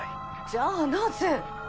じゃあなぜ？